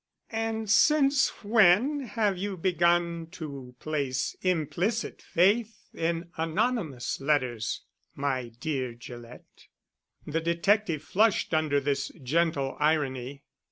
"And since when have you begun to place implicit faith in anonymous letters, my dear Gillett?" The detective flushed under this gentle irony.